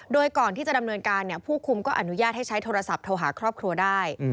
โดยก่อนที่จะดำเนินการผู้คุมก็อนุญาตให้ใช้โทรศัพท์โทรหาครอบครัวได้